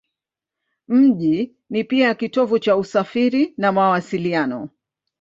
Mji ni pia kitovu cha usafiri na mawasiliano.